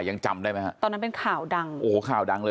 ยังจำได้ไหมฮะตอนนั้นเป็นข่าวดังโอ้โหข่าวดังเลย